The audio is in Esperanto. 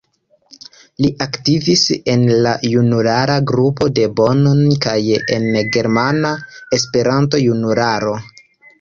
Li aktivis en la junulara grupo de Bonn kaj en Germana Esperanto-Junularo.